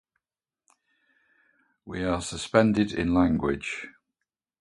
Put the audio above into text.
We are suspended in language.